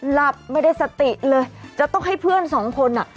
หลับไม่ได้สติเลยจะต้องให้เพื่อนสองคนอ่ะ